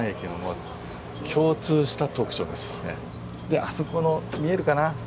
であそこの見えるかな？